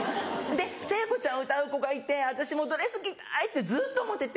で聖子ちゃんを歌う子がいて私もドレス着たいってずっと思ってて。